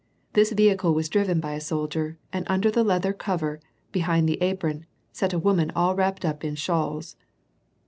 This vehicle was driven by a soldier, and under the leather cever, behind the apron, sat a woman all wrapped up in shawls.